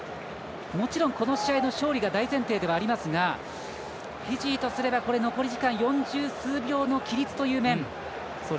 もちろんこの試合の勝利が大前提ではありますがフィジーとすれば、残り時間四十数秒の規律という面。